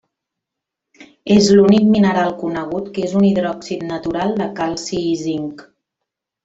És l'únic mineral conegut que és un hidròxid natural de calci i zinc.